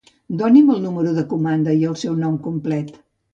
Doni'm el número de comanda i el seu nom complet.